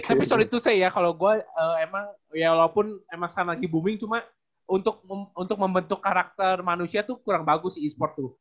tapi sorry to say ya kalau gue emang ya walaupun emang sekarang lagi booming cuma untuk membentuk karakter manusia tuh kurang bagus sih e sport tuh